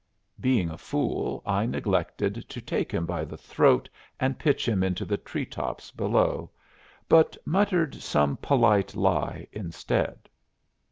Being a fool, I neglected to take him by the throat and pitch him into the treetops below, but muttered some polite lie instead.